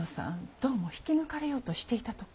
どうも引き抜かれようとしていたとか。